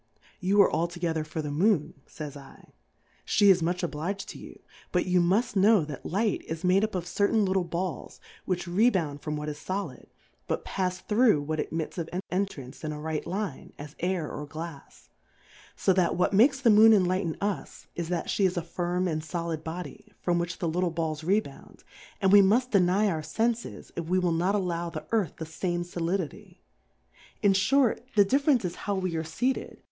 You are altogether for the Moon, fays I^ fhe is much oblig'd to you ; but you muft know tiiat Light is made up of certain little Balls, which rebound from what is Solid, but pafs through what admits of an entrance in a right Line, as Air or Glafs : So that what makes the Moon enlighten us, is that flie is a firm and folid Body, from which the little Balls rebound ; and we muit deny our Senfes, if we will not allow the Earth the fame Solidity ; in fhort, the Difference is how we are feated, for the 42.